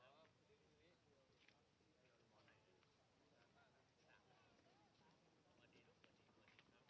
สวัสดีครับ